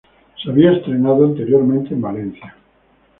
Se había estrenado anteriormente en Valencia.